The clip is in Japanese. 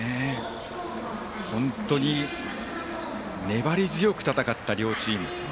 本当に粘り強く戦った両チーム。